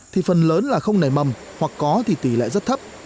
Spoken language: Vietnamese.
thì phần lớn là không nảy mầm hoặc có thì tỷ lệ rất thấp